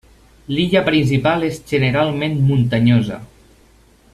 L'illa principal és generalment muntanyosa.